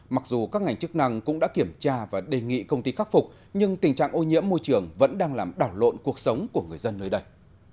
mặc dù các ngành chức năng cũng đã kiểm tra và đề nghị công ty khắc phục nhưng tình trạng ô nhiễm môi trường vẫn đang làm đảo lộn cuộc sống của người dân nơi đây